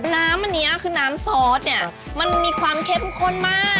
น้ำอันนี้คือน้ำซอสเนี่ยมันมีความเข้มข้นมาก